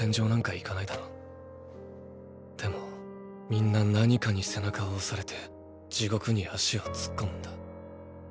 でも皆「何か」に背中を押されて地獄に足を突っ込むんだ。